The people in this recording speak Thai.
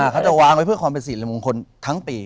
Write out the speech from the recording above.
เขาจะวางไว้เพื่อความเป็นสิริมงคลทั้งปี